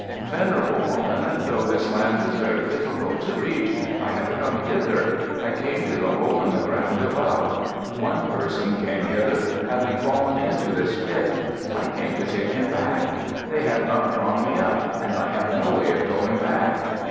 "Venerable woman, though this land is very difficult to reach, I have come hither. I came to the hole in the ground above. One person came hither, having fallen into this pit. I came to take him back. They have not drawn me up; and I have no way of going back.